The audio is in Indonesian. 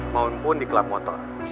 maupun di klub motor